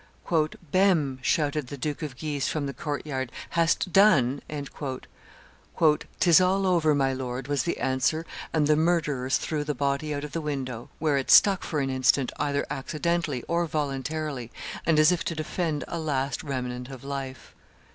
"Behme!" shouted the Duke of Guise from the court yard, "hast done?" "'Tis all over, my lord," was the answer; and the murderers threw the body out of the window, where it stuck for an instant, either accidentally or voluntarily, and as if to defend a last remnant of life.